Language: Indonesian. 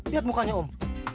lihat mukanya om